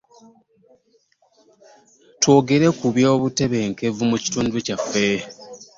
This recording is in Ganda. Twogere ku byobutebenkevu mu kitundu kyaffe.